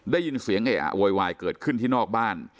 ได้ยินเสียงเออะโวยวายเกิดขึ้นที่นอกบ้าน